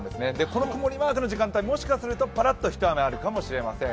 この曇りマークの時間帯、もしかするとぱらっとひと雨あるかもしれません。